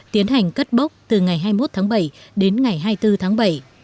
tiến hành cất bốc từ ngày hai mươi một tháng bảy đến ngày hai mươi bốn tháng bảy